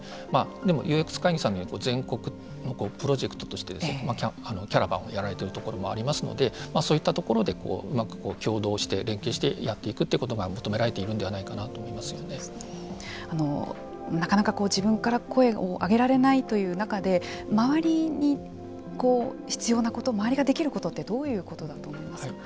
でも、ＵＸ会議さんのように全国のプロジェクトとしてですねキャラバンをやられているところもありますのでそういったところでうまく共同して、連携してやっていくということが求められているんではないかなとなかなか自分から声を上げられないという中で周りに必要なこと周りができることってどういうことだと思いますか。